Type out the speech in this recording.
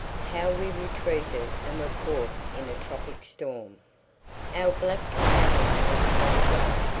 HOW WE RETREATED AND WERE CAUGHT IN A TROPIC STORM. Our black companion was quite right.